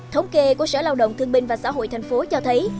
thống kê của sở lao động thương binh và xã hội thành phố cho thấy